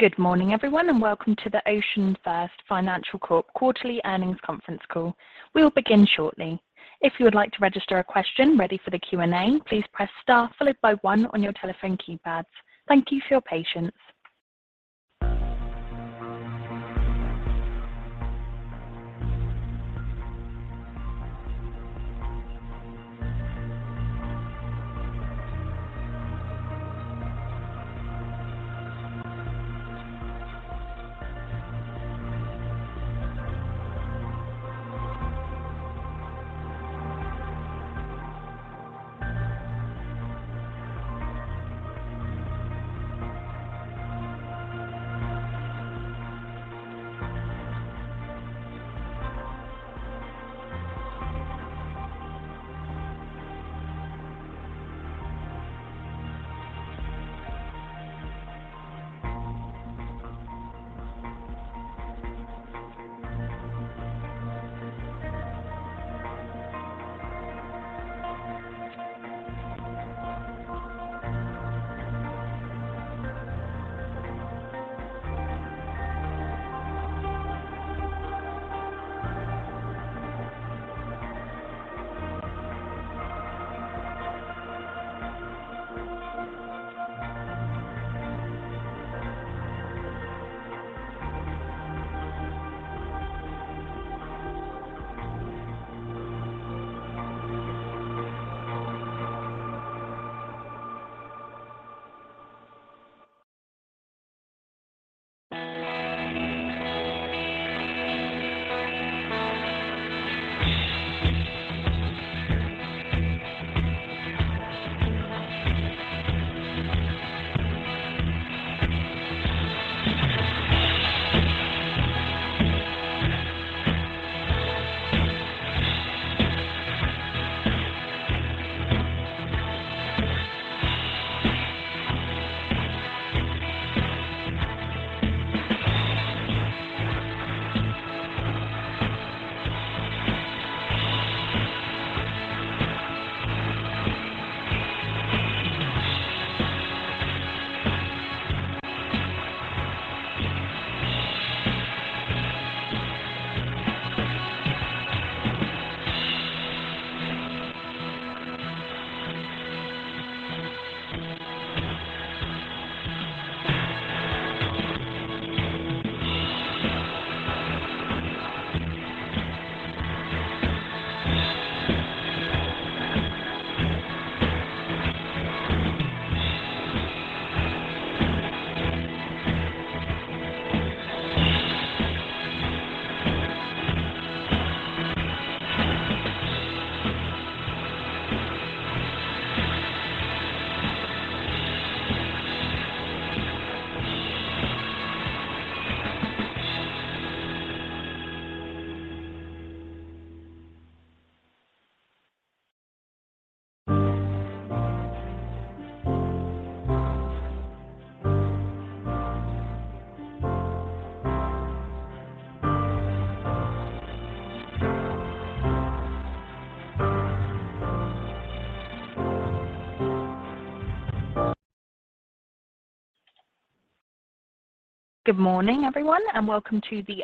Good morning everyone, and welcome to the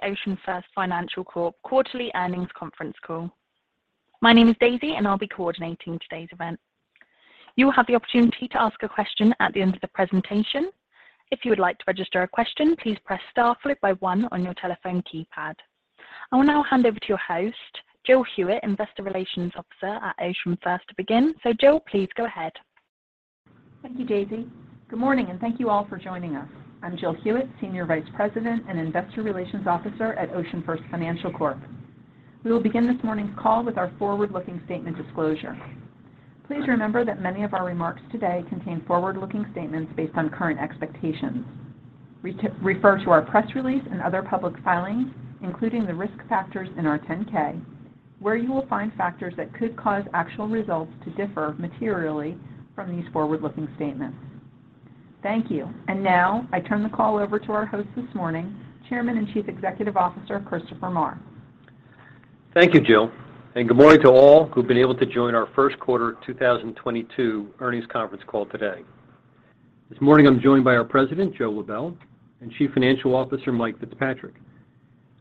OceanFirst Financial Corp Quarterly Earnings Conference Call. My name is Daisy, and I'll be coordinating today's event. You will have the opportunity to ask a question at the end of the presentation. If you would like to register a question, please press star followed by one on your telephone keypad. I will now hand over to your host, Jill Hewitt, Investor Relations Officer at OceanFirst to begin. Jill, please go ahead. Thank you, Daisy. Good morning, and thank you all for joining us. I'm Jill Hewitt, Senior Vice President and Investor Relations Officer at OceanFirst Financial Corp. We will begin this morning's call with our forward-looking statement disclosure. Please remember that many of our remarks today contain forward-looking statements based on current expectations. Refer to our press release and other public filings, including the risk factors in our 10-K, where you will find factors that could cause actual results to differ materially from these forward-looking statements. Thank you. Now I turn the call over to our host this morning, Chairman and Chief Executive Officer, Christopher Maher. Thank you, Jill, and good morning to all who've been able to join our first quarter 2022 earnings conference call today. This morning I'm joined by our president, Joe Lebel, and Chief Financial Officer Mike Fitzpatrick.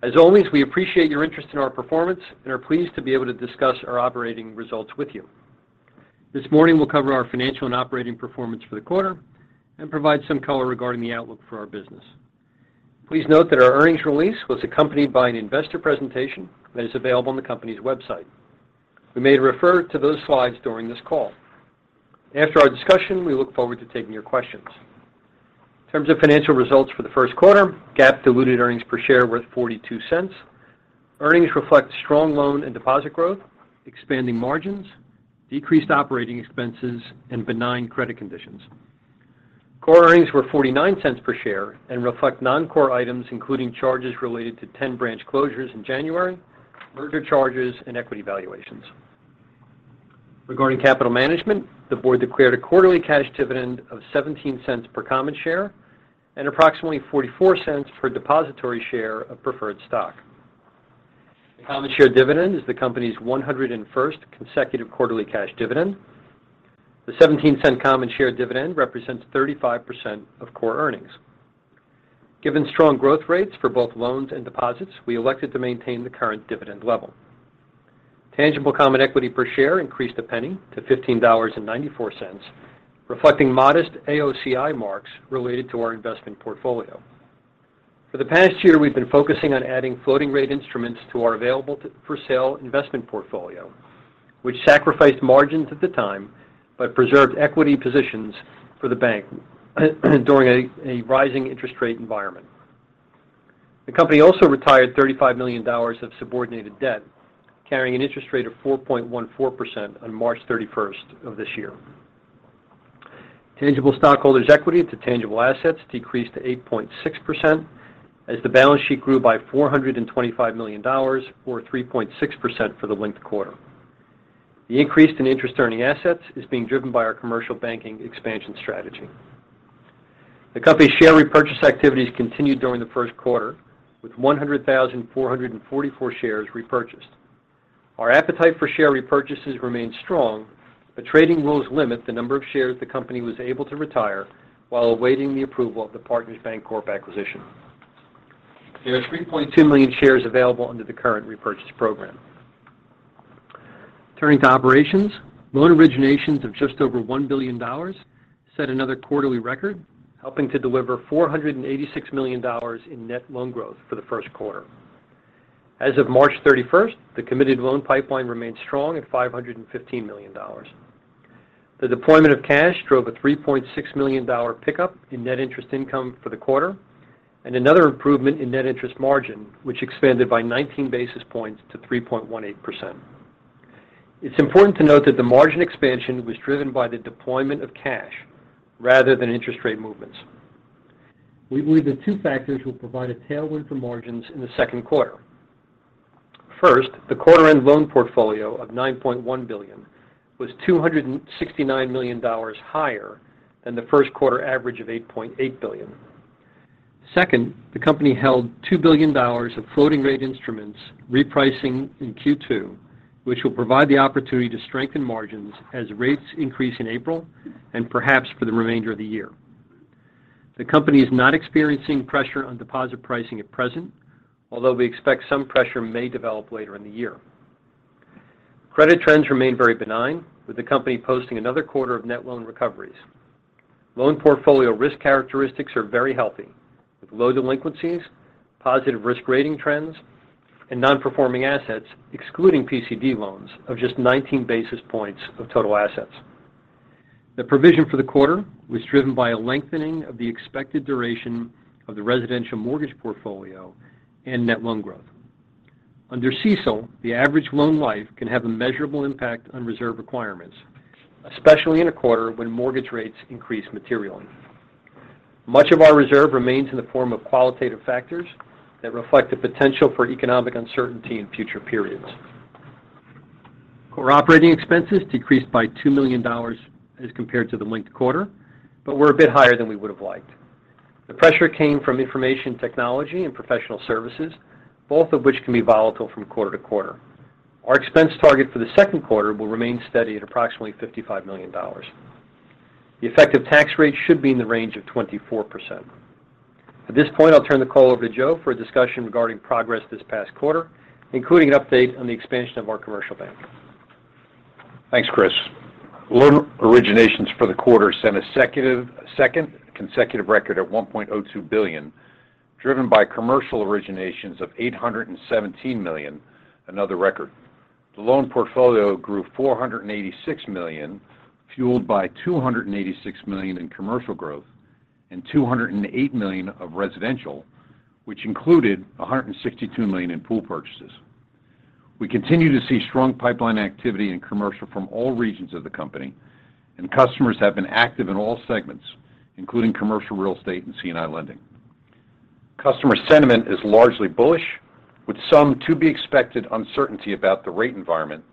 As always, we appreciate your interest in our performance and are pleased to be able to discuss our operating results with you. This morning we'll cover our financial and operating performance for the quarter and provide some color regarding the outlook for our business. Please note that our earnings release was accompanied by an investor presentation that is available on the company's website. We may refer to those slides during this call. After our discussion, we look forward to taking your questions. In terms of financial results for the first quarter, GAAP diluted earnings per share were $0.42. Earnings reflect strong loan and deposit growth, expanding margins, decreased operating expenses and benign credit conditions. Core earnings were $0.49 per share and reflect non-core items, including charges related to 10 branch closures in January, merger charges and equity valuations. Regarding capital management, the board declared a quarterly cash dividend of $0.17 per common share and approximately $0.44 per depository share of preferred stock. The common share dividend is the company's 101st consecutive quarterly cash dividend. The $0.17 common share dividend represents 35% of core earnings. Given strong growth rates for both loans and deposits, we elected to maintain the current dividend level. Tangible common equity per share increased $0.01 to $15.94, reflecting modest AOCI marks related to our investment portfolio. For the past year, we've been focusing on adding floating rate instruments to our available-for-sale investment portfolio, which sacrificed margins at the time, but preserved equity positions for the bank during a rising interest rate environment. The company also retired $35 million of subordinated debt, carrying an interest rate of 4.14% on March 31st of this year. Tangible stockholders' equity to tangible assets decreased to 8.6% as the balance sheet grew by $425 million or 3.6% for the linked quarter. The increase in interest earning assets is being driven by our commercial banking expansion strategy. The company's share repurchase activities continued during the first quarter with 100,444 shares repurchased. Our appetite for share repurchases remains strong, but trading lows limit the number of shares the company was able to retire while awaiting the approval of the Partners Bancorp acquisition. There are 3.2 million shares available under the current repurchase program. Turning to operations. Loan originations of just over $1 billion set another quarterly record, helping to deliver $486 million in net loan growth for the first quarter. As of March 31st, the committed loan pipeline remains strong at $515 million. The deployment of cash drove a $3.6 million pickup in net interest income for the quarter and another improvement in net interest margin, which expanded by 19 basis points to 3.18%. It's important to note that the margin expansion was driven by the deployment of cash rather than interest rate movements. We believe that two factors will provide a tailwind for margins in the second quarter. First, the quarter end loan portfolio of $9.1 billion was $269 million higher than the first quarter average of $8.8 billion. Second, the company held $2 billion of floating rate instruments repricing in Q2, which will provide the opportunity to strengthen margins as rates increase in April and perhaps for the remainder of the year. The company is not experiencing pressure on deposit pricing at present, although we expect some pressure may develop later in the year. Credit trends remain very benign, with the company posting another quarter of net loan recoveries. Loan portfolio risk characteristics are very healthy with low delinquencies, positive risk rating trends, and non-performing assets, excluding PCD loans of just 19 basis points of total assets. The provision for the quarter was driven by a lengthening of the expected duration of the residential mortgage portfolio and net loan growth. Under CECL, the average loan life can have a measurable impact on reserve requirements, especially in a quarter when mortgage rates increase materially. Much of our reserve remains in the form of qualitative factors that reflect the potential for economic uncertainty in future periods. Core operating expenses decreased by $2 million as compared to the linked quarter, but we're a bit higher than we would have liked. The pressure came from information technology and professional services, both of which can be volatile from quarter-to-quarter. Our expense target for the second quarter will remain steady at approximately $55 million. The effective tax rate should be in the range of 24%. At this point, I'll turn the call over to Joe for a discussion regarding progress this past quarter, including an update on the expansion of our commercial bank. Thanks, Chris. Loan originations for the quarter set a second consecutive record at $1.02 billion, driven by commercial originations of $817 million, another record. The loan portfolio grew $486 million, fueled by $286 million in commercial growth and $208 million of residential, which included $162 million in pool purchases. We continue to see strong pipeline activity in commercial from all regions of the company, and customers have been active in all segments, including commercial real estate and C&I lending. Customer sentiment is largely bullish, with some to be expected uncertainty about the rate environment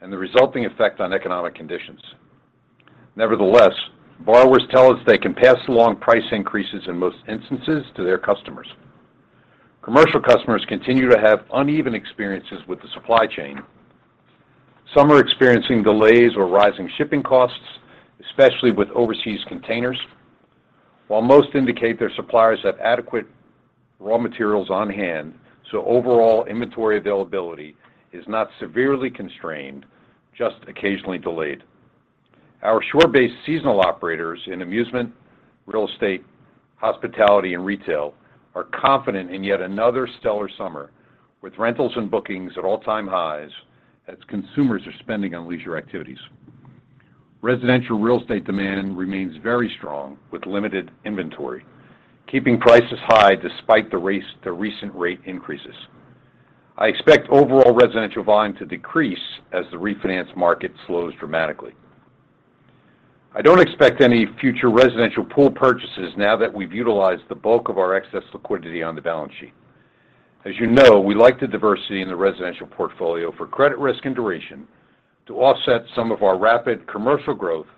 and the resulting effect on economic conditions. Nevertheless, borrowers tell us they can pass along price increases in most instances to their customers. Commercial customers continue to have uneven experiences with the supply chain. Some are experiencing delays or rising shipping costs, especially with overseas containers. While most indicate their suppliers have adequate raw materials on hand, so overall inventory availability is not severely constrained, just occasionally delayed. Our shore-based seasonal operators in amusement, real estate, hospitality, and retail are confident in yet another stellar summer with rentals and bookings at all-time highs as consumers are spending on leisure activities. Residential real estate demand remains very strong with limited inventory, keeping prices high despite the rise, the recent rate increases. I expect overall residential volume to decrease as the refinance market slows dramatically. I don't expect any future residential pool purchases now that we've utilized the bulk of our excess liquidity on the balance sheet. As you know, we like the diversity in the residential portfolio for credit risk and duration to offset some of our rapid commercial growth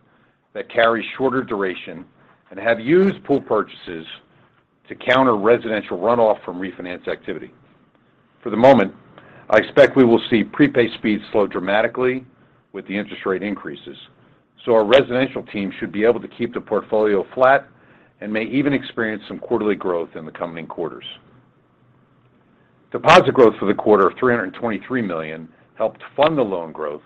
that carries shorter duration and have used pool purchases to counter residential runoff from refinance activity. For the moment, I expect we will see prepay speeds slow dramatically with the interest rate increases. Our residential team should be able to keep the portfolio flat and may even experience some quarterly growth in the coming quarters. Deposit growth for the quarter of $323 million helped fund the loan growth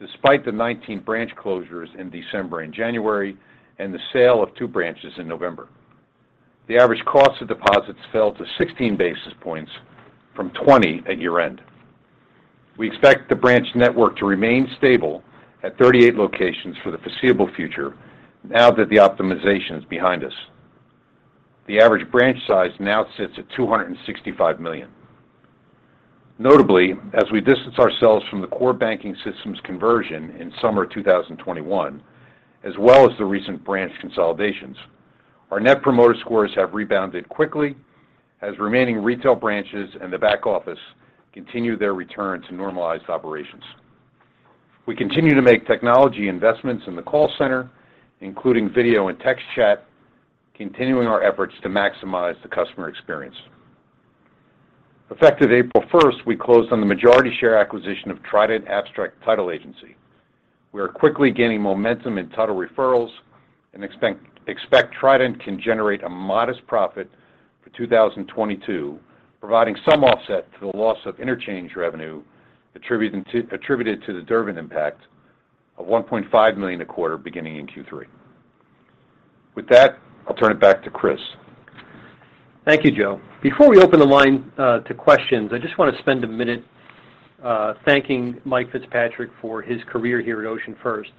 despite the 19 branch closures in December and January and the sale of two branches in November. The average cost of deposits fell to 16 basis points from 20 at year-end. We expect the branch network to remain stable at 38 locations for the foreseeable future now that the optimization is behind us. The average branch size now sits at $265 million. Notably, as we distance ourselves from the core banking systems conversion in summer 2021, as well as the recent branch consolidations, our net promoter scores have rebounded quickly as remaining retail branches and the back office continue their return to normalized operations. We continue to make technology investments in the call center, including video and text chat, continuing our efforts to maximize the customer experience. Effective April 1st, we closed on the majority share acquisition of Trident Abstract Title Agency. We are quickly gaining momentum in title referrals and expect Trident can generate a modest profit for 2022, providing some offset to the loss of interchange revenue attributed to the Durbin impact of $1.5 million a quarter beginning in Q3. With that, I'll turn it back to Chris. Thank you, Joe. Before we open the line to questions, I just want to spend a minute thanking Mike Fitzpatrick for his career here at OceanFirst.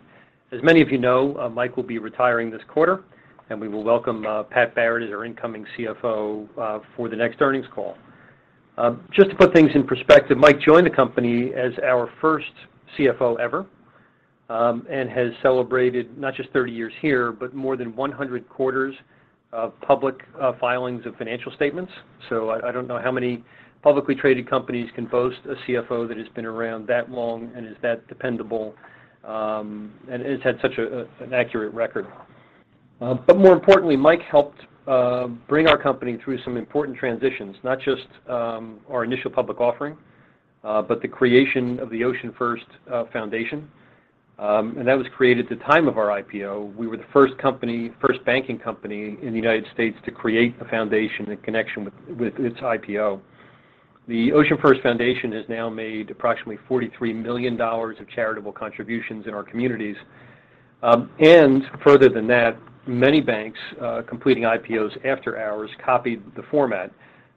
As many of you know, Mike will be retiring this quarter, and we will welcome Pat Barrett as our incoming CFO for the next earnings call. Just to put things in perspective, Mike joined the company as our first CFO ever, and has celebrated not just 30 years here, but more than 100 quarters of public filings of financial statements. I don't know how many publicly traded companies can boast a CFO that has been around that long and is that dependable, and has had such an accurate record. More importantly, Mike helped bring our company through some important transitions, not just our initial public offering, but the creation of the OceanFirst Foundation. That was created at the time of our IPO. We were the first company, first banking company in the United States to create a foundation in connection with its IPO. The OceanFirst Foundation has now made approximately $43 million of charitable contributions in our communities. Further than that, many banks completing IPOs after ours copied the format,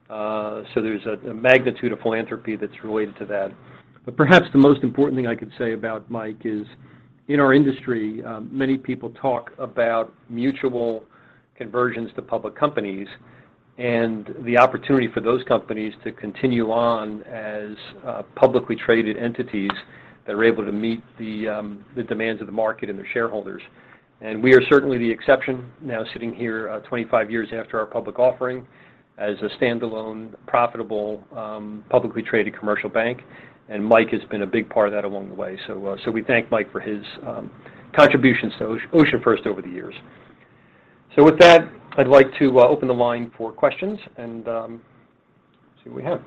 so there's a magnitude of philanthropy that's related to that. Perhaps the most important thing I could say about Mike is, in our industry, many people talk about mutual conversions to public companies and the opportunity for those companies to continue on as publicly traded entities that are able to meet the demands of the market and their shareholders. We are certainly the exception now sitting here 25 years after our public offering as a standalone, profitable publicly traded commercial bank. Mike has been a big part of that along the way. We thank Mike for his contributions to OceanFirst over the years. With that, I'd like to open the line for questions and see what we have.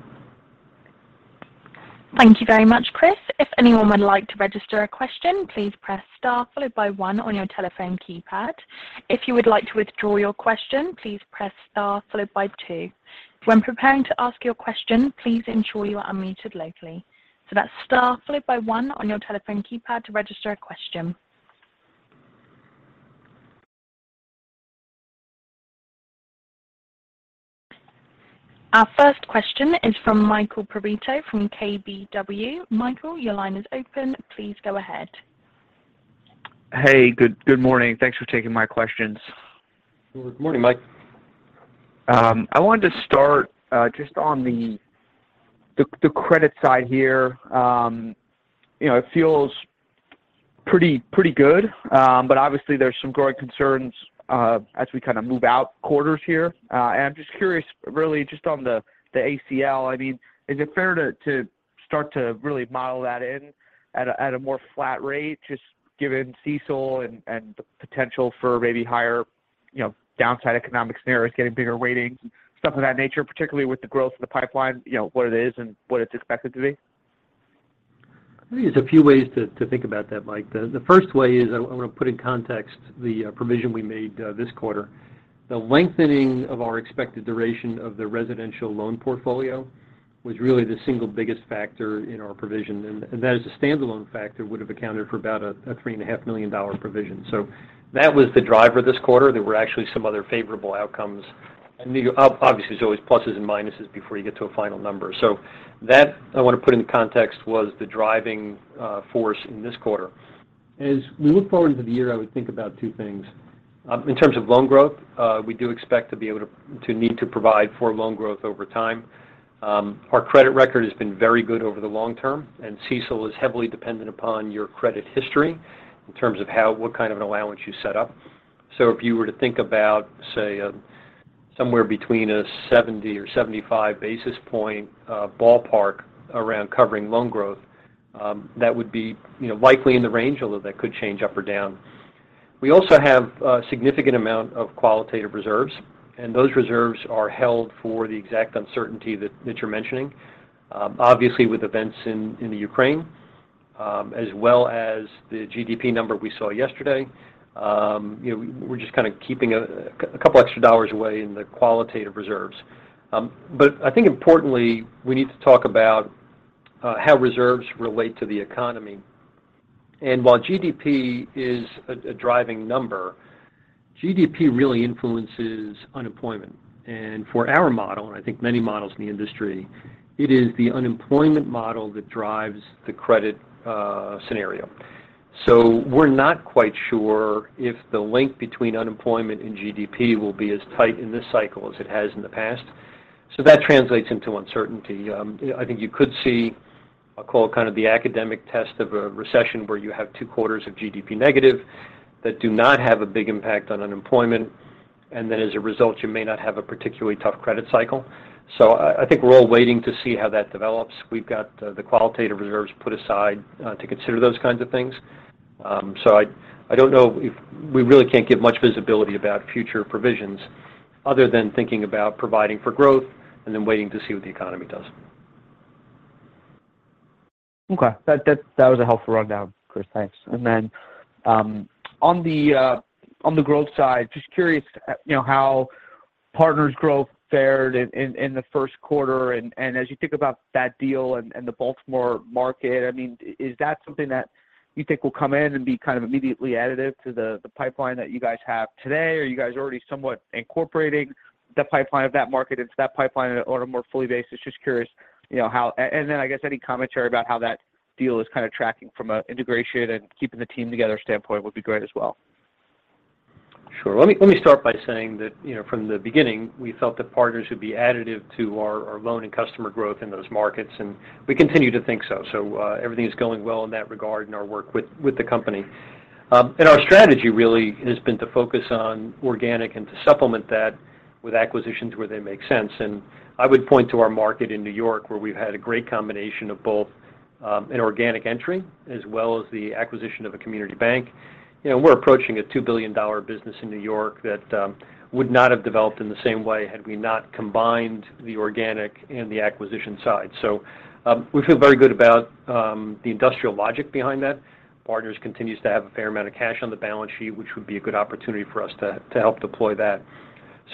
Thank you very much, Chris. If anyone would like to register a question, please press star followed by one on your telephone keypad. If you would like to withdraw your question, please press star followed by two. When preparing to ask your question, please ensure you are unmuted locally. That's star followed by one on your telephone keypad to register a question. Our first question is from Michael Perito from KBW. Michael, your line is open. Please go ahead. Hey, good morning. Thanks for taking my questions. Good morning, Mike. I wanted to start just on the credit side here. You know, it feels pretty good. Obviously there's some growing concerns as we kind of move out quarters here. I'm just curious, really just on the ACL. I mean, is it fair to start to really model that in at a more flat rate, just given CECL and the potential for maybe higher, you know, downside economic scenarios, getting bigger ratings and stuff of that nature, particularly with the growth of the pipeline, you know, what it is and what it's expected to be? I think there's a few ways to think about that, Mike. The first way is I want to put in context the provision we made this quarter. The lengthening of our expected duration of the residential loan portfolio was really the single biggest factor in our provision. That as a standalone factor, would've accounted for about a $3.5 million provision. That was the driver this quarter. There were actually some other favorable outcomes. Obviously, there's always pluses and minuses before you get to a final number. That I want to put into context was the driving force in this quarter. As we look forward into the year, I would think about two things. In terms of loan growth, we do expect to need to provide for loan growth over time. Our credit record has been very good over the long term, and CECL is heavily dependent upon your credit history in terms of how what kind of an allowance you set up. If you were to think about, say, somewhere between 70 or 75 basis point ballpark around covering loan growth, that would be, you know, likely in the range, although that could change up or down. We also have a significant amount of qualitative reserves, and those reserves are held for the exact uncertainty that you're mentioning. Obviously with events in the Ukraine, as well as the GDP number we saw yesterday, you know, we're just kind of keeping a couple extra dollars away in the qualitative reserves. I think importantly, we need to talk about how reserves relate to the economy. While GDP is a driving number, GDP really influences unemployment. For our model, and I think many models in the industry, it is the unemployment model that drives the credit scenario. We're not quite sure if the link between unemployment and GDP will be as tight in this cycle as it has in the past. That translates into uncertainty. You know, I think you could see a call kind of the academic test of a recession where you have two quarters of GDP negative that do not have a big impact on unemployment, and then as a result, you may not have a particularly tough credit cycle. I think we're all waiting to see how that develops. We've got the qualitative reserves put aside to consider those kinds of things. We really can't give much visibility about future provisions other than thinking about providing for growth and then waiting to see what the economy does. Okay. That was a helpful rundown, Chris. Thanks. Then, on the growth side, just curious, you know, how Partners Bancorp fared in the first quarter and as you think about that deal and the Baltimore market. I mean, is that something that you think will come in and be kind of immediately additive to the pipeline that you guys have today? Are you guys already somewhat incorporating the pipeline of that market into that pipeline on a more fully basis? Just curious, you know, how. Then I guess any commentary about how that deal is kind of tracking from an integration and keeping the team together standpoint would be great as well. Sure. Let me start by saying that, you know, from the beginning, we felt that Partners would be additive to our loan and customer growth in those markets, and we continue to think so. Everything is going well in that regard in our work with the company. Our strategy really has been to focus on organic and to supplement that with acquisitions where they make sense. I would point to our market in New York, where we've had a great combination of both, an organic entry as well as the acquisition of a community bank. You know, we're approaching a $2 billion business in New York that would not have developed in the same way had we not combined the organic and the acquisition side. We feel very good about the industrial logic behind that. Partners continues to have a fair amount of cash on the balance sheet, which would be a good opportunity for us to help deploy that.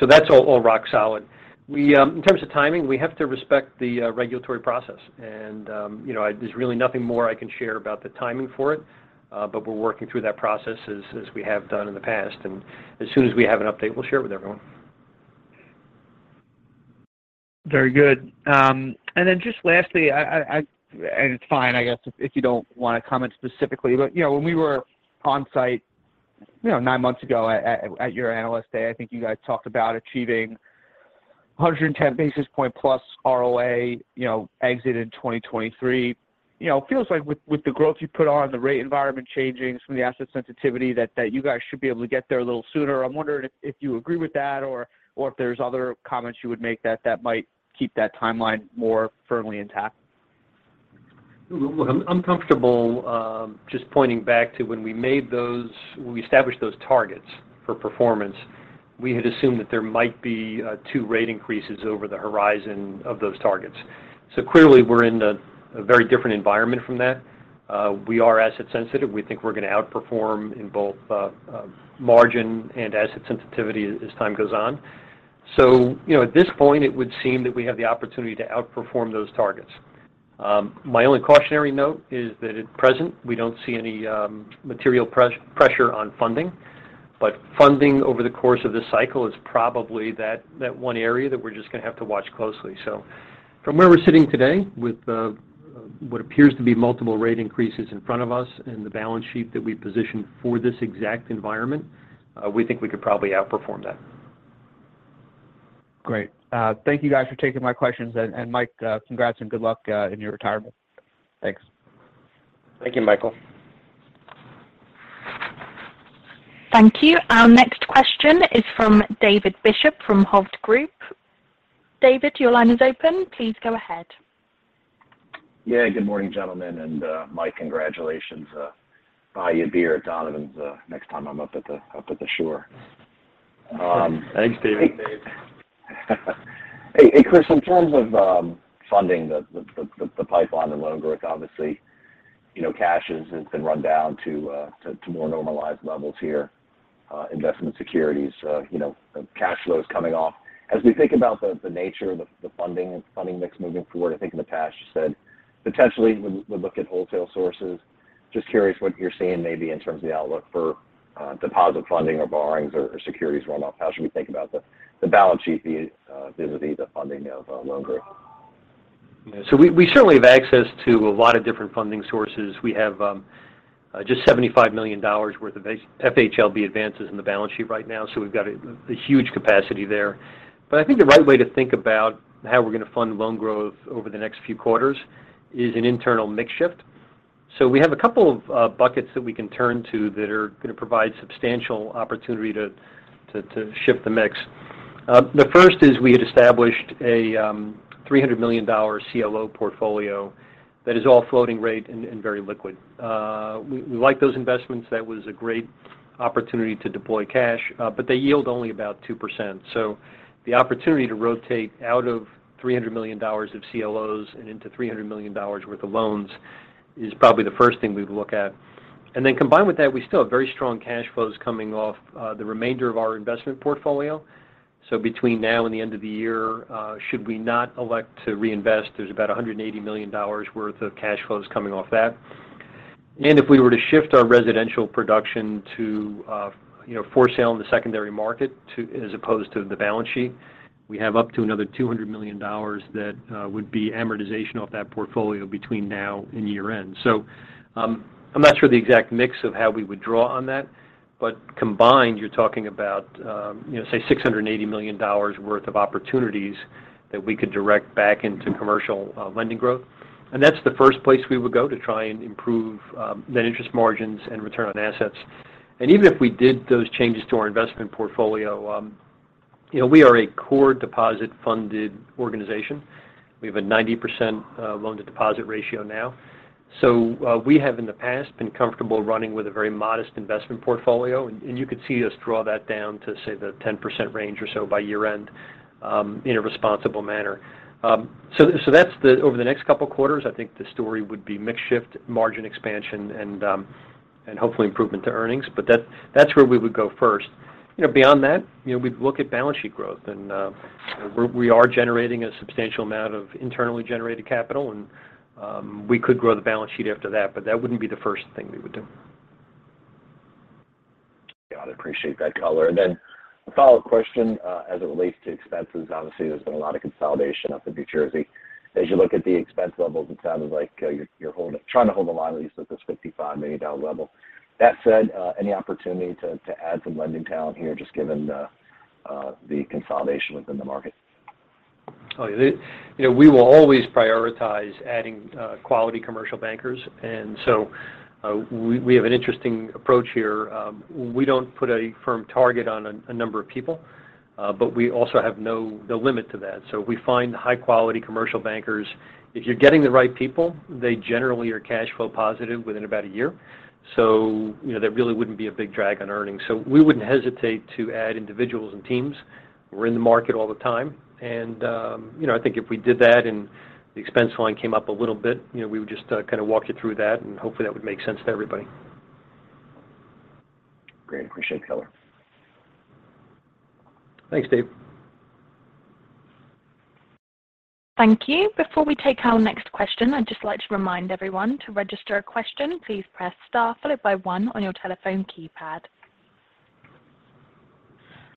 So that's all rock solid. In terms of timing, we have to respect the regulatory process. You know, there's really nothing more I can share about the timing for it, but we're working through that process as we have done in the past. As soon as we have an update, we'll share with everyone. Very good. Then just lastly, I and it's fine, I guess, if you don't want to comment specifically, but you know, when we were on site, you know, nine months ago at your Analyst Day, I think you guys talked about achieving 110 basis point plus ROA, you know, exit in 2023. You know, it feels like with the growth you put on, the rate environment changing from the asset sensitivity that you guys should be able to get there a little sooner. I'm wondering if you agree with that or if there's other comments you would make that might keep that timeline more firmly intact. Look, I'm comfortable just pointing back to when we established those targets for performance. We had assumed that there might be two rate increases over the horizon of those targets. Clearly we're in a very different environment from that. We are asset sensitive. We think we're going to outperform in both margin and asset sensitivity as time goes on. You know, at this point, it would seem that we have the opportunity to outperform those targets. My only cautionary note is that at present, we don't see any material pressure on funding. Funding over the course of this cycle is probably that one area that we're just going to have to watch closely. From where we're sitting today with what appears to be multiple rate increases in front of us and the balance sheet that we positioned for this exact environment, we think we could probably outperform that. Great. Thank you guys for taking my questions. Mike, congrats and good luck in your retirement. Thanks. Thank you, Michael. Thank you. Our next question is from David Bishop from Hovde Group. David, your line is open. Please go ahead. Good morning, gentlemen. Mike, congratulations. I'll buy you a beer at Donovan's next time I'm up at the shore. Thanks, David. Thanks, Dave. Hey, Chris, in terms of funding the pipeline and loan growth, obviously, you know, cash has been run down to more normalized levels here. Investment securities, you know, cash flows coming off. As we think about the nature of the funding and funding mix moving forward, I think Natasha said potentially we would look at wholesale sources. Just curious what you're seeing maybe in terms of the outlook for deposit funding or borrowings or securities runoff. How should we think about the balance sheet vis-à-vis the funding of loan growth? We certainly have access to a lot of different funding sources. We have just $75 million worth of FHLB advances in the balance sheet right now, so we've got a huge capacity there. I think the right way to think about how we're going to fund loan growth over the next few quarters is an internal mix shift. We have a couple of buckets that we can turn to that are going to provide substantial opportunity to shift the mix. The first is we had established a $300 million CLO portfolio that is all floating rate and very liquid. We like those investments. That was a great opportunity to deploy cash, but they yield only about 2%. The opportunity to rotate out of $300 million of CLOs and into $300 million worth of loans is probably the first thing we'd look at. Combined with that, we still have very strong cash flows coming off the remainder of our investment portfolio. Between now and the end of the year, should we not elect to reinvest, there's about $180 million worth of cash flows coming off that. If we were to shift our residential production to, you know, for sale in the secondary market as opposed to the balance sheet, we have up to another $200 million that would be amortization off that portfolio between now and year-end. I'm not sure the exact mix of how we would draw on that, but combined, you're talking about, you know, say $680 million worth of opportunities that we could direct back into commercial, lending growth. That's the first place we would go to try and improve, net interest margins and return on assets. Even if we did those changes to our investment portfolio, you know, we are a core deposit-funded organization. We have a 90%, loan-to-deposit ratio now. We have in the past been comfortable running with a very modest investment portfolio. You could see us draw that down to, say, the 10% range or so by year-end, in a responsible manner. Over the next couple of quarters, I think the story would be mix shift, margin expansion, and hopefully improvement to earnings. That's where we would go first. You know, beyond that, you know, we'd look at balance sheet growth and we are generating a substantial amount of internally generated capital, and we could grow the balance sheet after that, but that wouldn't be the first thing we would do. Got it. Appreciate that color. A follow-up question, as it relates to expenses. Obviously, there's been a lot of consolidation up in New Jersey. As you look at the expense levels, it sounds like you're trying to hold the line at least at this $55 million level. That said, any opportunity to add some lending talent here, just given the consolidation within the market? You know, we will always prioritize adding quality commercial bankers. We have an interesting approach here. We don't put a firm target on a number of people, but we also have no limit to that. We find high-quality commercial bankers. If you're getting the right people, they generally are cash flow positive within about a year. You know, that really wouldn't be a big drag on earnings. We wouldn't hesitate to add individuals and teams. We're in the market all the time. You know, I think if we did that and the expense line came up a little bit, we would just kind of walk you through that, and hopefully that would make sense to everybody. Great. Appreciate the color. Thanks, Dave. Thank you. Before we take our next question, I'd just like to remind everyone to register a question, please press star followed by one on your telephone keypad.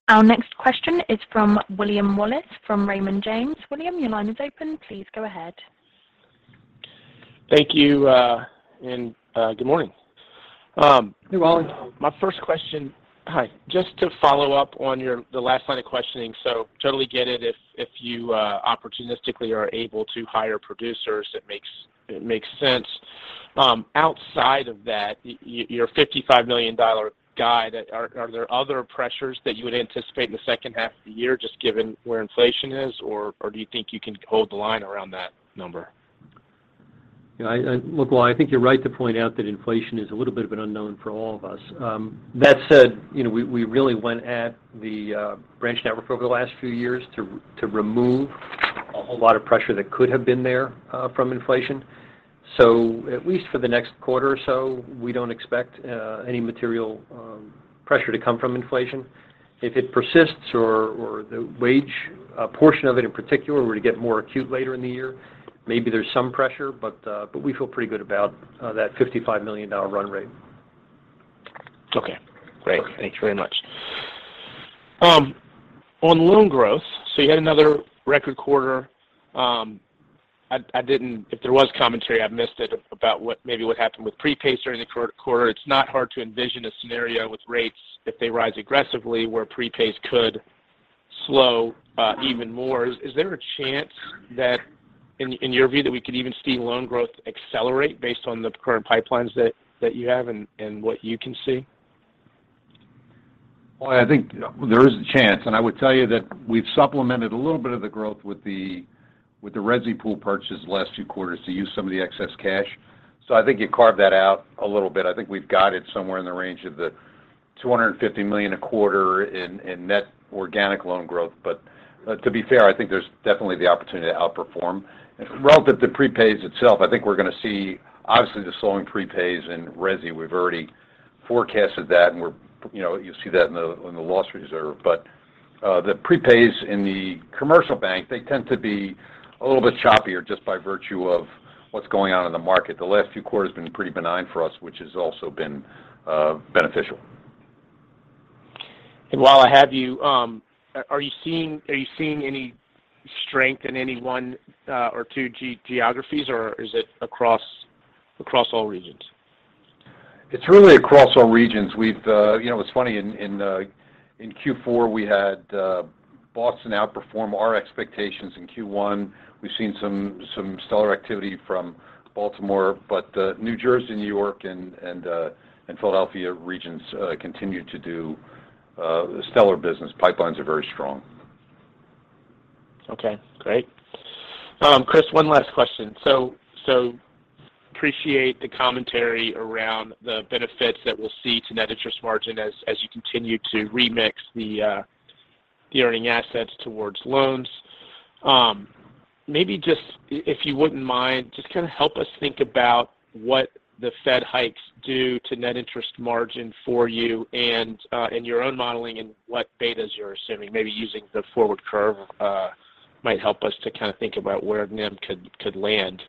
Our next question is from William Wallace from Raymond James. William, your line is open. Please go ahead. Thank you, and good morning. Hey, Wallace. My first question, hi. Just to follow up on your, the last line of questioning. So totally get it if you opportunistically are able to hire producers, it makes sense. Outside of that, your $55 million guide, are there other pressures that you would anticipate in the second half of the year, just given where inflation is, or do you think you can hold the line around that number? Yeah. Look, well, I think you're right to point out that inflation is a little bit of an unknown for all of us. That said, you know, we really went at the branch network over the last few years to remove a whole lot of pressure that could have been there from inflation. At least for the next quarter or so, we don't expect any material pressure to come from inflation. If it persists or the wage portion of it in particular were to get more acute later in the year, maybe there's some pressure. We feel pretty good about that $55 million run rate. Okay, great. Perfect. Thank you very much. On loan growth, you had another record quarter. If there was commentary, I missed it about what maybe happened with prepays during the current quarter. It's not hard to envision a scenario with rates if they rise aggressively, where prepays could slow, even more. Is there a chance that in your view, that we could even see loan growth accelerate based on the current pipelines that you have and what you can see? Well, I think there is a chance. I would tell you that we've supplemented a little bit of the growth with the resi pool purchase the last few quarters to use some of the excess cash. I think you carve that out a little bit. I think we've got it somewhere in the range of $250 million a quarter in net organic loan growth. To be fair, I think there's definitely the opportunity to outperform. Relative to prepays itself, I think we're going to see obviously the slowing prepays in resi. We've already forecasted that and we're, you know, you'll see that in the loss reserve. The prepays in the commercial bank, they tend to be a little bit choppier just by virtue of what's going on in the market. The last few quarters have been pretty benign for us, which has also been beneficial. While I have you, are you seeing any strength in any one or two geographies, or is it across all regions? It's really across all regions. We've you know what's funny in Q4 we had Boston outperform our expectations. In Q1 we've seen some stellar activity from Baltimore. New Jersey New York and Philadelphia regions continue to do stellar business. Pipelines are very strong. Okay, great. Chris, one last question. Appreciate the commentary around the benefits that we'll see to net interest margin as you continue to remix the earning assets towards loans. Maybe just if you wouldn't mind, just kind of help us think about what the Fed hikes do to net interest margin for you and in your own modeling and what betas you're assuming. Maybe using the forward curve might help us to kind of think about where NIM could land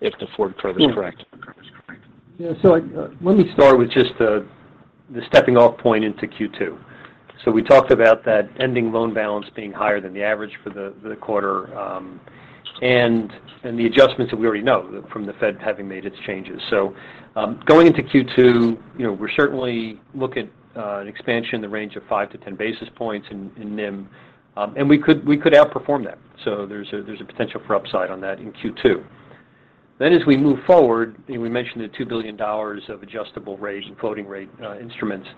if the forward curve is correct. Yeah. Let me start with just the stepping off point into Q2. We talked about that ending loan balance being higher than the average for the quarter and the adjustments that we already know from the Fed having made its changes. Going into Q2, you know, we're certainly looking at an expansion in the range of 5-10 basis points in NIM and we could outperform that. There's a potential for upside on that in Q2. As we move forward, you know, we mentioned the $2 billion of adjustable rate and floating rate instruments.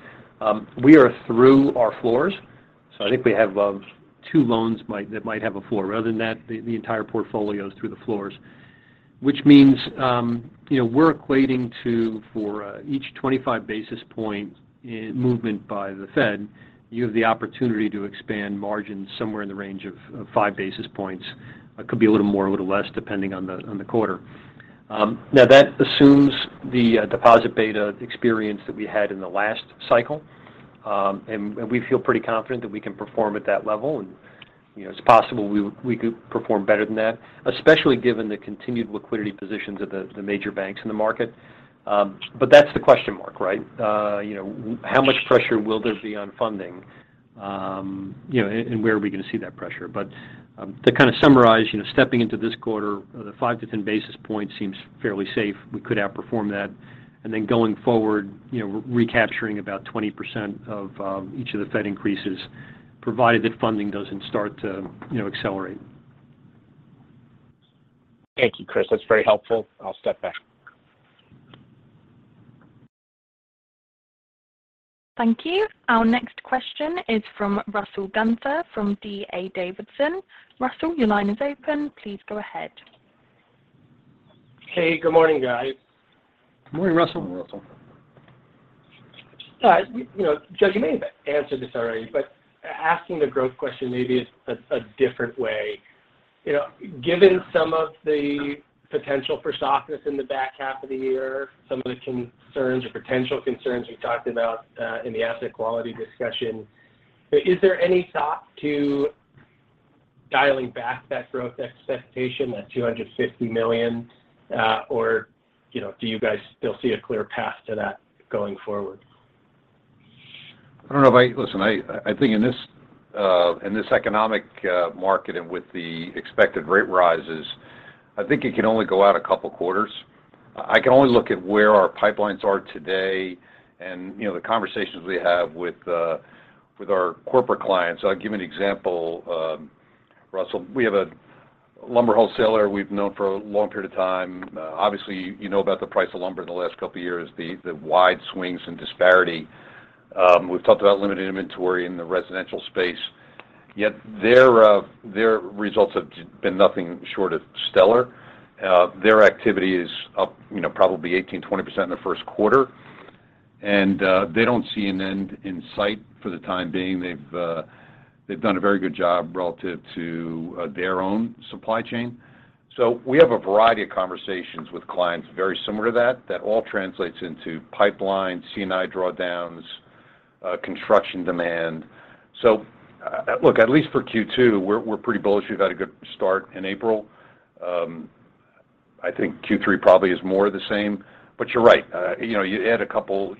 We are through our floors. I think we have two loans that might have a floor. Other than that, the entire portfolio is through the floors, which means you know, we're equating to each 25 basis point in movement by the Fed, you have the opportunity to expand margins somewhere in the range of 5 basis points. Could be a little more or a little less, depending on the quarter. Now that assumes the deposit beta experience that we had in the last cycle. We feel pretty confident that we can perform at that level. You know, it's possible we could perform better than that, especially given the continued liquidity positions of the major banks in the market. That's the question mark, right? You know, how much pressure will there be on funding? You know, and where are we going to see that pressure? To kind of summarize, you know, stepping into this quarter, the 5-10 basis points seems fairly safe. We could outperform that. Then going forward, you know, recapturing about 20% of each of the Fed increases, provided that funding doesn't start to, you know, accelerate. Thank you, Chris. That's very helpful. I'll step back. Thank you. Our next question is from Russell Gunther from D.A. Davidson. Russell, your line is open. Please go ahead. Hey, good morning, guys. Good morning, Russell. Morning, Russell. All right. You know, Joe, you may have answered this already, but asking the growth question maybe a different way. You know, given some of the potential for softness in the back half of the year, some of the concerns or potential concerns you talked about in the asset quality discussion, is there any thought to dialing back that growth expectation at $250 million? Or, you know, do you guys still see a clear path to that going forward? Listen, I think in this economic market and with the expected rate rises, I think it can only go out a couple quarters. I can only look at where our pipelines are today and, you know, the conversations we have with our corporate clients. I'll give you an example, Russell. We have a lumber wholesaler we've known for a long period of time. Obviously, you know about the price of lumber in the last couple of years, the wide swings and disparity. We've talked about limited inventory in the residential space. Yet their results have been nothing short of stellar. Their activity is up, you know, probably 18%-20% in the first quarter. They don't see an end in sight for the time being. They've done a very good job relative to their own supply chain. We have a variety of conversations with clients very similar to that all translates into pipelines, C&I drawdowns, construction demand. Look, at least for Q2, we're pretty bullish. We've had a good start in April. I think Q3 probably is more of the same. You're right. You know, you add a couple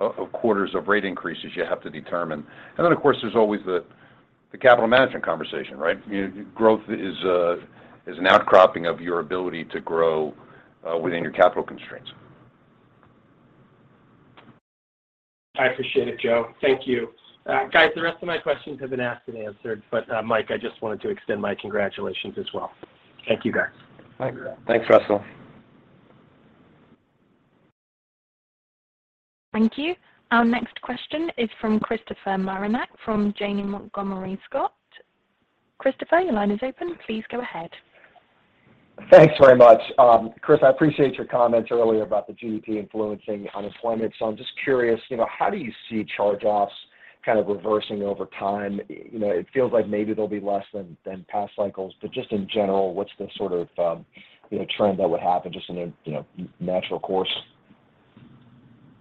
of quarters of rate increases you have to determine. Then, of course, there's always the capital management conversation, right? You know, growth is an outcropping of your ability to grow within your capital constraints. I appreciate it, Joe. Thank you. Guys, the rest of my questions have been asked and answered, but, Mike, I just wanted to extend my congratulations as well. Thank you, guys. Thanks. Thanks, Russell. Thank you. Our next question is from Christopher Marinac from Janney Montgomery Scott. Christopher, your line is open. Please go ahead. Thanks very much. Chris, I appreciate your comments earlier about the GDP influencing unemployment. I'm just curious, you know, how do you see charge-offs kind of reversing over time? You know, it feels like maybe they'll be less than past cycles. Just in general, what's the sort of, you know, trend that would happen just in a, you know, natural course?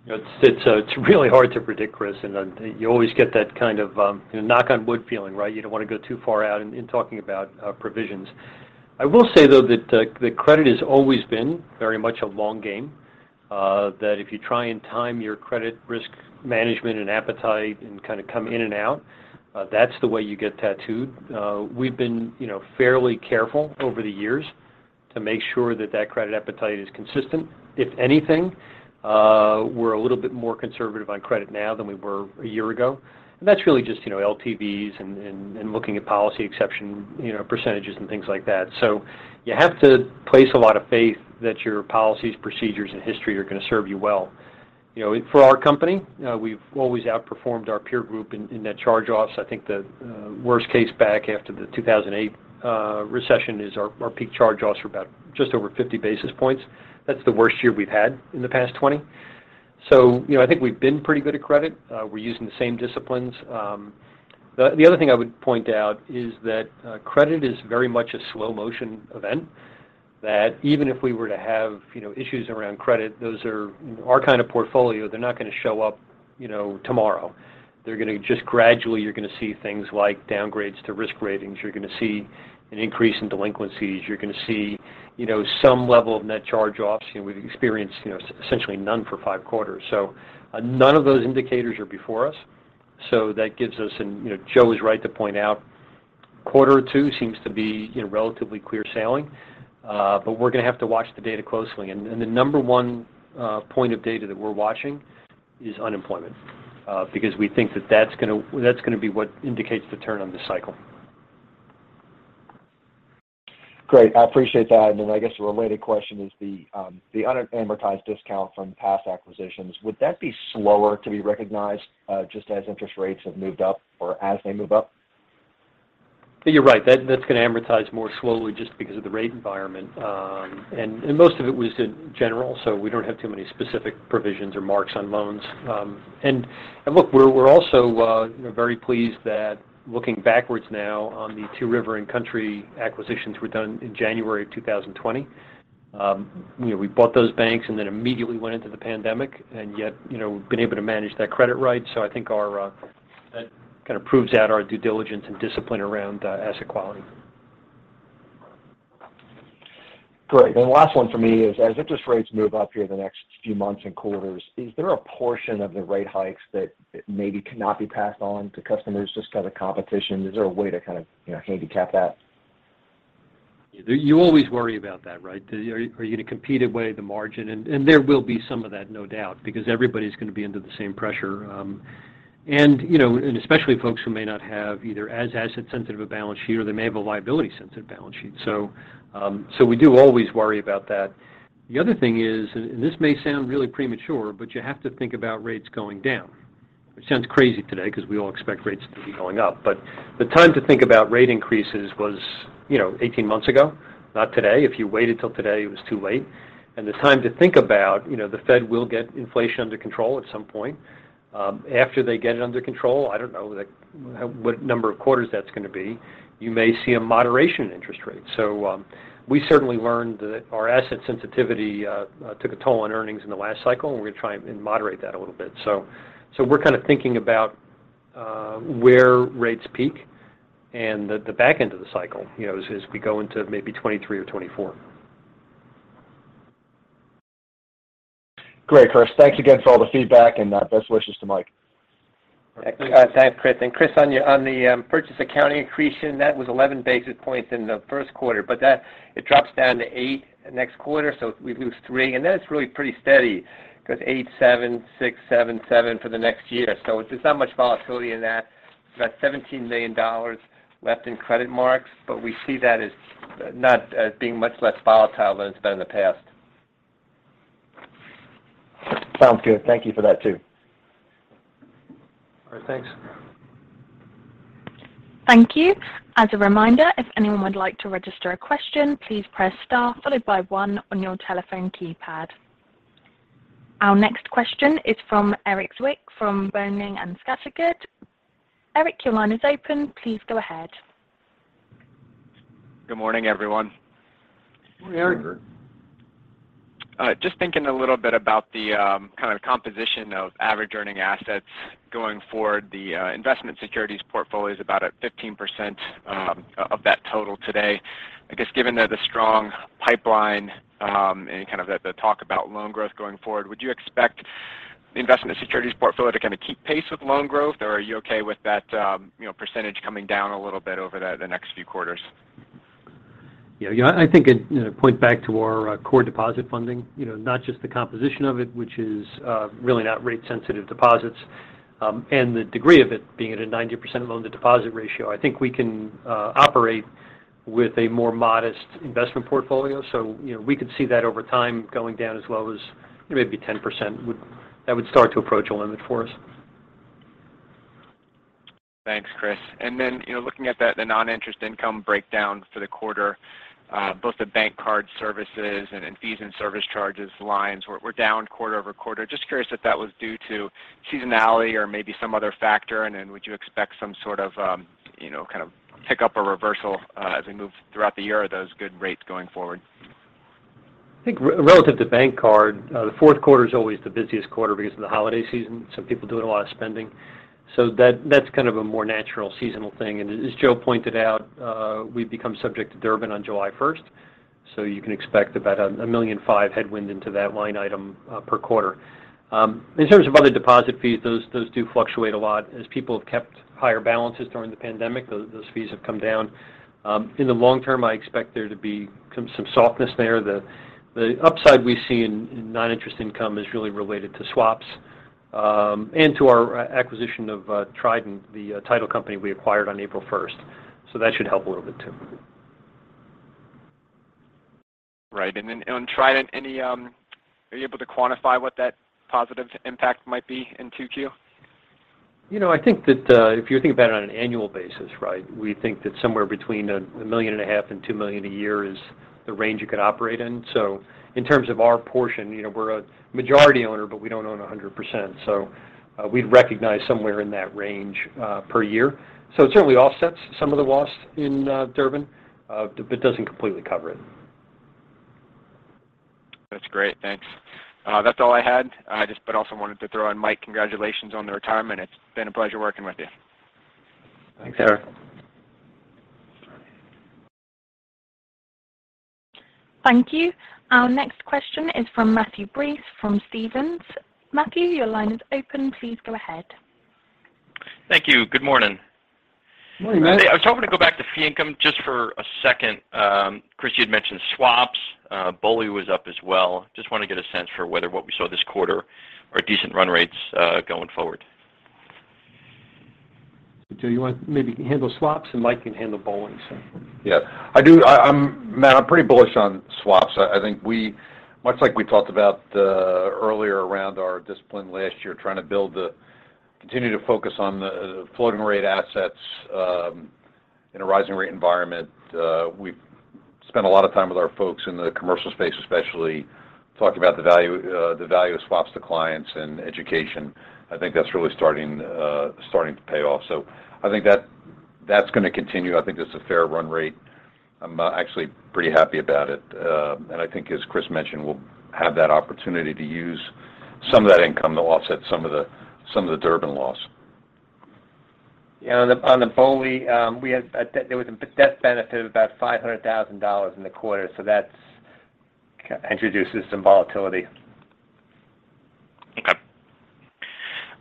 You know, it's really hard to predict, Chris. You always get that kind of, you know, knock on wood feeling, right? You don't want to go too far out in talking about provisions. I will say, though, that the credit has always been very much a long game, that if you try and time your credit risk management and appetite and kind of come in and out, that's the way you get tattooed. We've been, you know, fairly careful over the years to make sure that credit appetite is consistent. If anything, we're a little bit more conservative on credit now than we were a year ago. That's really just, you know, LTVs and looking at policy exception, you know, percentages and things like that. You have to place a lot of faith that your policies, procedures, and history are going to serve you well. You know, for our company, we've always outperformed our peer group in net charge-offs. I think the worst case back after the 2008 recession is our peak charge-offs were about just over 50 basis points. That's the worst year we've had in the past 20. You know, I think we've been pretty good at credit. We're using the same disciplines. The other thing I would point out is that credit is very much a slow motion event, that even if we were to have issues around credit, those are our kind of portfolio. They're not gonna show up tomorrow. They're gonna just gradually, you're gonna see things like downgrades to risk ratings. You're gonna see an increase in delinquencies. You're gonna see, you know, some level of net charge-offs. You know, we've experienced, you know, essentially none for five quarters. None of those indicators are before us, so that gives us. You know, Joe is right to point out, quarter two seems to be, you know, relatively clear sailing. We're gonna have to watch the data closely. The number one point of data that we're watching is unemployment, because we think that that's gonna be what indicates the turn on this cycle. Great. I appreciate that. I guess a related question is the unamortized discount from past acquisitions. Would that be slower to be recognized just as interest rates have moved up or as they move up? You're right. That's gonna amortize more slowly just because of the rate environment. And most of it was in general, so we don't have too many specific provisions or marks on loans. And look, we're also you know very pleased that looking backwards now on the Two River and Country acquisitions were done in January 2020. You know, we bought those banks and then immediately went into the pandemic, and yet, you know, we've been able to manage that credit right. So I think our that kind of proves out our due diligence and discipline around asset quality. Great. The last one for me is, as interest rates move up here the next few months and quarters, is there a portion of the rate hikes that maybe cannot be passed on to customers just 'cause of competition? Is there a way to kind of, you know, handicap that? You always worry about that, right? Are you going to compete away the margin? There will be some of that, no doubt, because everybody's going to be under the same pressure. You know, especially folks who may not have either as asset sensitive a balance sheet or they may have a liability sensitive balance sheet. We do always worry about that. The other thing is, this may sound really premature, but you have to think about rates going down, which sounds crazy today because we all expect rates to be going up. The time to think about rate increases was, you know, 18 months ago, not today. If you waited till today, it was too late. The time to think about, you know, the Fed will get inflation under control at some point. After they get it under control, I don't know, like, what number of quarters that's going to be. You may see a moderation in interest rates. We certainly learned that our asset sensitivity took a toll on earnings in the last cycle, and we're going to try and moderate that a little bit. We're kind of thinking about where rates peak and the back end of the cycle, you know, as we go into maybe 2023 or 2024. Great, Chris. Thanks again for all the feedback and best wishes to Mike. Thanks, Chris. Chris, on the purchase accounting accretion, that was 11 basis points in the first quarter, but that it drops down to eight next quarter. We lose three, and then it's really pretty steady with eight, seven, six, seven for the next year. There's not much volatility in that. About $17 million left in credit marks, but we see that as not as being much less volatile than it's been in the past. Sounds good. Thank you for that too. All right. Thanks. Thank you. As a reminder, if anyone would like to register a question, please press star followed by one on your telephone keypad. Our next question is from Erik Zwick from Boenning & Scattergood. Erik, your line is open. Please go ahead. Good morning, everyone. Morning, Erik. Just thinking a little bit about the kind of composition of average earning assets going forward. The investment securities portfolio is about at 15% of that total today. I guess, given the strong pipeline and kind of the talk about loan growth going forward, would you expect the investment securities portfolio to kind of keep pace with loan growth? Or are you okay with that you know percentage coming down a little bit over the next few quarters? Yeah. You know, I think it you know point back to our core deposit funding. You know, not just the composition of it, which is really not rate sensitive deposits and the degree of it being at a 90% loan to deposit ratio. I think we can operate with a more modest investment portfolio. You know, we could see that over time going down as low as maybe 10%. That would start to approach a limit for us. Thanks, Chris. Then, you know, looking at that, the non-interest income breakdown for the quarter, both the bank card services and fees and service charges lines were down quarter-over-quarter. Just curious if that was due to seasonality or maybe some other factor. Then would you expect some sort of, you know, kind of pick up a reversal, as we move throughout the year, those good rates going forward? I think relative to bank card, the fourth quarter is always the busiest quarter because of the holiday season. Some people doing a lot of spending. That's kind of a more natural seasonal thing. Joe pointed out, we've become subject to Durbin on July first. You can expect about $1.5 million headwind into that line item per quarter. In terms of other deposit fees, those do fluctuate a lot. As people have kept higher balances during the pandemic, those fees have come down. In the long term, I expect there to be some softness there. The upside we see in non-interest income is really related to swaps and to our acquisition of Trident, the title company we acquired on April 1st. That should help a little bit too. Right. On Trident, any, are you able to quantify what that positive impact might be in 2Q? You know, I think that if you think about it on an annual basis, right, we think that somewhere between $1.5 million and $2 million a year is the range it could operate in. In terms of our portion, you know, we're a majority owner, but we don't own 100%. We'd recognize somewhere in that range per year. It certainly offsets some of the loss in Durbin, but doesn't completely cover it. That's great. Thanks. That's all I had. I also wanted to throw in, Mike, congratulations on the retirement. It's been a pleasure working with you. Thanks, Erik. Thank you. Our next question is from Matthew Breese from Stephens. Matthew, your line is open. Please go ahead. Thank you. Good morning. Good morning, Matt. I was hoping to go back to fee income just for a second. Chris, you had mentioned swaps. BOLI was up as well. Just want to get a sense for whether what we saw this quarter are decent run rates, going forward. Do you want me to handle swaps and Mike can handle BOLIs? Yeah, I do. Matt, I'm pretty bullish on swaps. I think we much like we talked about earlier around our discipline last year, continue to focus on the floating rate assets in a rising rate environment. We've spent a lot of time with our folks in the commercial space, especially talking about the value of swaps to clients and education. I think that's really starting to pay off. I think that's gonna continue. I think that's a fair run rate. I'm actually pretty happy about it. I think as Chris mentioned, we'll have that opportunity to use some of that income to offset some of the Durbin loss. Yeah. On the BOLI, there was a death benefit of about $500,000 in the quarter, so that introduces some volatility. Okay.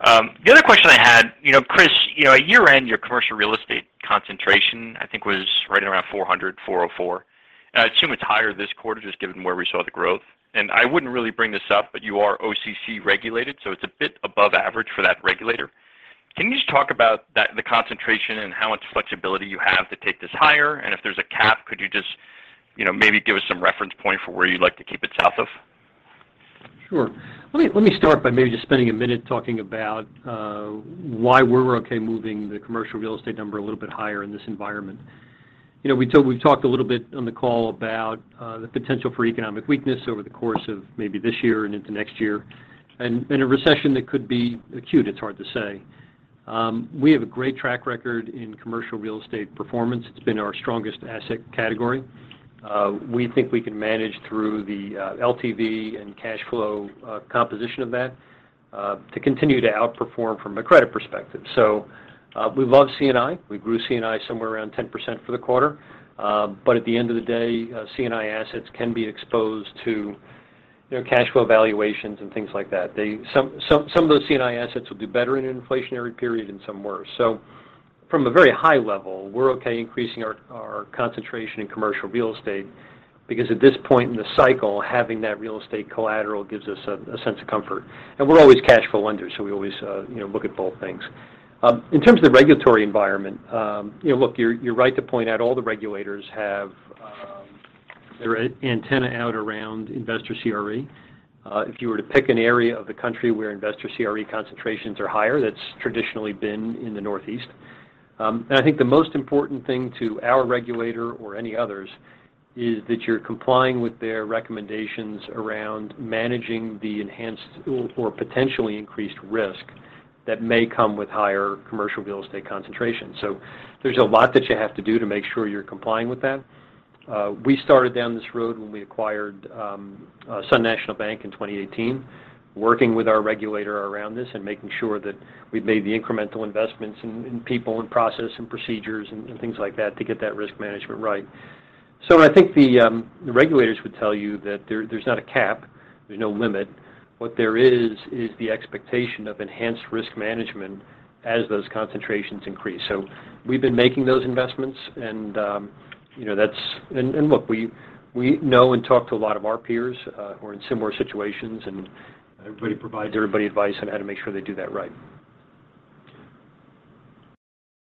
The other question I had, you know, Chris, you know, at year-end, your commercial real estate concentration, I think was right around 404%. I'd assume it's higher this quarter just given where we saw the growth. I wouldn't really bring this up, but you are OCC-regulated, so it's a bit above average for that regulator. Can you just talk about that, the concentration and how much flexibility you have to take this higher? If there's a cap, could you just, you know, maybe give us some reference point for where you'd like to keep it south of? Sure. Let me start by maybe just spending a minute talking about why we're okay moving the commercial real estate number a little bit higher in this environment. You know, we've talked a little bit on the call about the potential for economic weakness over the course of maybe this year and into next year and a recession that could be acute. It's hard to say. We have a great track record in commercial real estate performance. It's been our strongest asset category. We think we can manage through the LTV and cash flow composition of that to continue to outperform from a credit perspective. We love C&I. We grew C&I somewhere around 10% for the quarter. At the end of the day, C&I assets can be exposed to, you know, cash flow valuations and things like that. Some of those C&I assets will do better in an inflationary period and some worse. From a very high level, we're okay increasing our concentration in commercial real estate because at this point in the cycle, having that real estate collateral gives us a sense of comfort. We're always cash flow lenders, so we always, you know, look at both things. In terms of the regulatory environment, you know, look, you're right to point out all the regulators have their antenna out around investor CRE. If you were to pick an area of the country where investor CRE concentrations are higher, that's traditionally been in the Northeast. I think the most important thing to our regulator or any others is that you're complying with their recommendations around managing the enhanced or potentially increased risk that may come with higher commercial real estate concentration. There's a lot that you have to do to make sure you're complying with that. We started down this road when we acquired Sun National Bank in 2018, working with our regulator around this and making sure that we've made the incremental investments in people and process and procedures and things like that to get that risk management right. I think the regulators would tell you that there's not a cap, there's no limit. What there is the expectation of enhanced risk management as those concentrations increase. We've been making those investments and, you know, look, we know and talk to a lot of our peers who are in similar situations, and everybody provides everybody advice on how to make sure they do that right.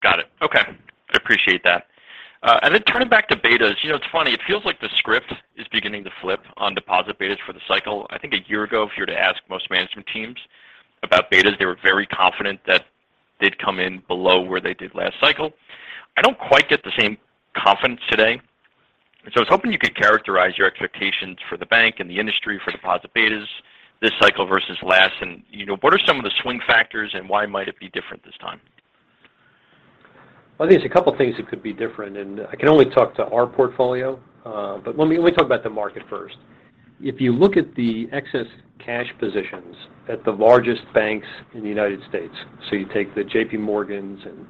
Got it. Okay. I appreciate that. Turning back to betas, you know, it's funny, it feels like the script is beginning to flip on deposit betas for the cycle. I think a year ago, if you were to ask most management teams about betas, they were very confident that they'd come in below where they did last cycle. I don't quite get the same confidence today, and so I was hoping you could characterize your expectations for the bank and the industry for deposit betas this cycle versus last. You know, what are some of the swing factors, and why might it be different this time? Well, I think there's a couple things that could be different, and I can only talk to our portfolio, but let me talk about the market first. If you look at the excess cash positions at the largest banks in the United States, so you take the JPMorgan and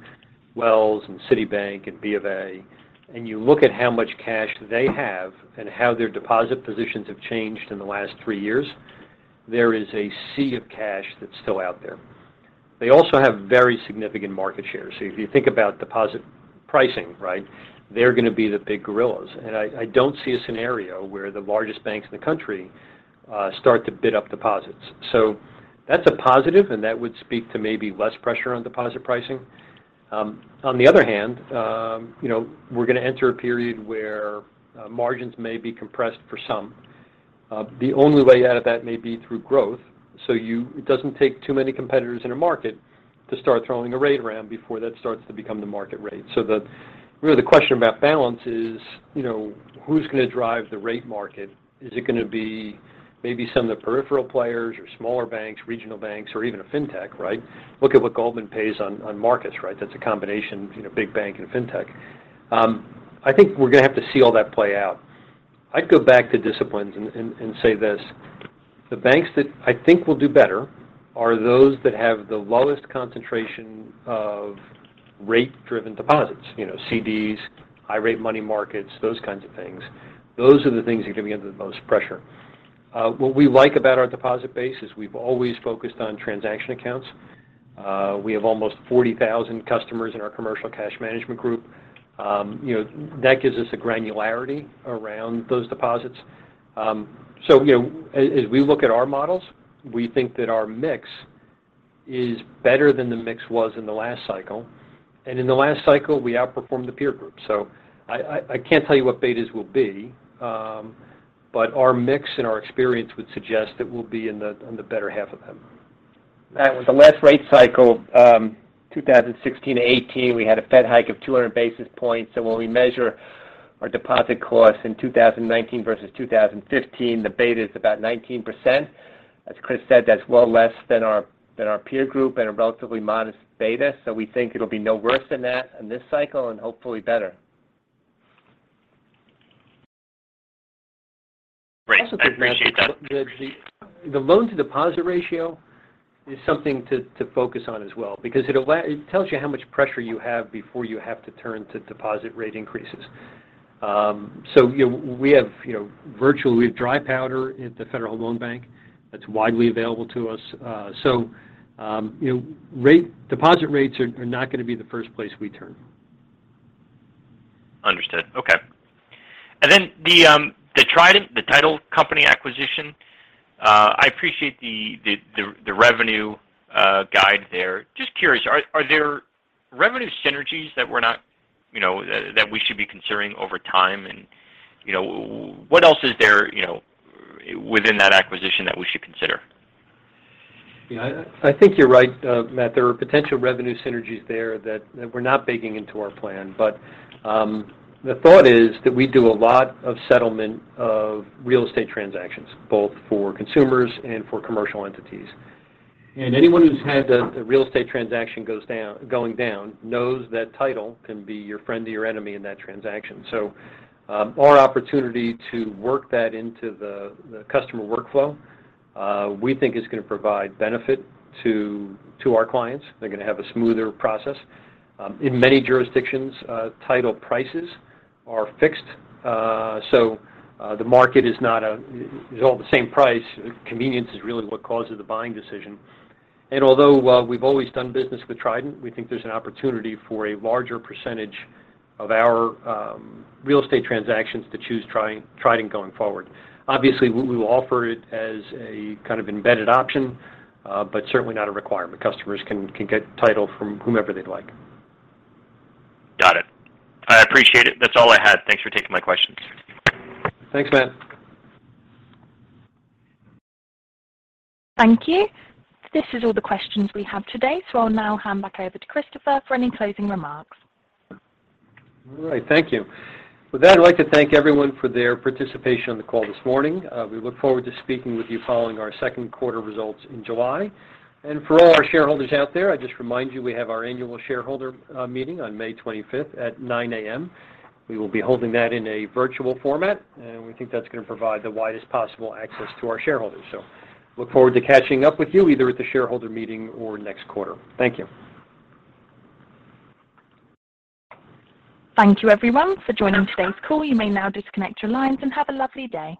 Wells Fargo and Citibank and BofA, and you look at how much cash they have and how their deposit positions have changed in the last three years, there is a sea of cash that's still out there. They also have very significant market share. If you think about deposit pricing, right? They're gonna be the big gorillas. I don't see a scenario where the largest banks in the country start to bid up deposits. That's a positive, and that would speak to maybe less pressure on deposit pricing. On the other hand, you know, we're gonna enter a period where margins may be compressed for some. The only way out of that may be through growth. It doesn't take too many competitors in a market to start throwing a rate around before that starts to become the market rate. So really the question about balance is, you know, who's gonna drive the rate market? Is it gonna be maybe some of the peripheral players or smaller banks, regional banks, or even a fintech, right? Look at what Goldman Sachs pays on Marcus, right? That's a combination, you know, big bank and fintech. I think we're gonna have to see all that play out. I'd go back to disciplines and say this. The banks that I think will do better are those that have the lowest concentration of rate-driven deposits, you know, CDs, high rate money markets, those kinds of things. Those are the things that are gonna be under the most pressure. What we like about our deposit base is we've always focused on transaction accounts. We have almost 40,000 customers in our commercial cash management group. You know, that gives us a granularity around those deposits. So, you know, as we look at our models, we think that our mix is better than the mix was in the last cycle. In the last cycle, we outperformed the peer group. I can't tell you what betas will be, but our mix and our experience would suggest that we'll be in the better half of them. Matt, with the last rate cycle, 2016-2018, we had a Fed hike of 200 basis points. When we measure our deposit costs in 2019 versus 2015, the beta is about 19%. As Chris said, that's well less than our peer group and a relatively modest beta. We think it'll be no worse than that in this cycle and hopefully better. Great. I appreciate that. Matt, the loan-to-deposit ratio is something to focus on as well because it tells you how much pressure you have before you have to turn to deposit rate increases. You know, we have you know, virtually dry powder at the Federal Home Loan Bank that's widely available to us. You know, deposit rates are not gonna be the first place we turn. Understood. Okay. Then the Trident, the title company acquisition, I appreciate the revenue guide there. Just curious, are there revenue synergies that we're not, you know, that we should be considering over time? You know, what else is there, you know, within that acquisition that we should consider? Yeah. I think you're right, Matt. There are potential revenue synergies there that we're not baking into our plan. The thought is that we do a lot of settlement of real estate transactions, both for consumers and for commercial entities. Anyone who's had a real estate transaction going down knows that title can be your friend or your enemy in that transaction. Our opportunity to work that into the customer workflow, we think is gonna provide benefit to our clients. They're gonna have a smoother process. In many jurisdictions, title prices are fixed, the market is all the same price. Convenience is really what causes the buying decision. Although we've always done business with Trident, we think there's an opportunity for a larger percentage of our real estate transactions to choose Trident going forward. Obviously, we will offer it as a kind of embedded option, but certainly not a requirement. Customers can get title from whomever they'd like. Got it. I appreciate it. That's all I had. Thanks for taking my questions. Thanks, Matt. Thank you. This is all the questions we have today, so I'll now hand back over to Christopher for any closing remarks. All right. Thank you. With that, I'd like to thank everyone for their participation on the call this morning. We look forward to speaking with you following our second quarter results in July. For all our shareholders out there, I just remind you, we have our annual shareholder meeting on May 25th at 9:00 A.M. We will be holding that in a virtual format, and we think that's gonna provide the widest possible access to our shareholders. Look forward to catching up with you either at the shareholder meeting or next quarter. Thank you. Thank you everyone for joining today's call. You may now disconnect your lines and have a lovely day.